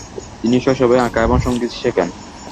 তিনি শৈশবেই আঁকা এবং সংগীত শেখেন।